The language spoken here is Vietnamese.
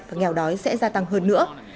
và nghèo đói sẽ gia tăng hơn nữa